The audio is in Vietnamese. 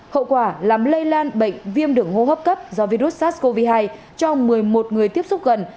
hậu quả làm lây lan bệnh viêm đường hô hấp cấp do virus sars cov hai cho một mươi một người tiếp xúc gần